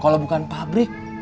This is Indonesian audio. kalau bukan pabrik